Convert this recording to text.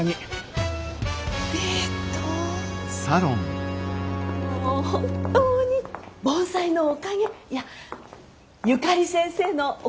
もう本当に盆栽のおかげいやゆかり先生のおかげです。